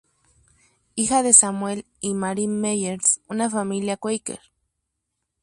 Hija de Samuel y Mary Meyers, una familia Quaker.